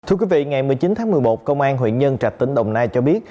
thưa quý vị ngày một mươi chín tháng một mươi một công an huyện nhân trạch tỉnh đồng nai cho biết